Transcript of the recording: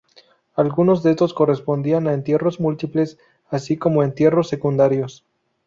Algunos de estos correspondían a entierros múltiples, así como a entierros secundarios.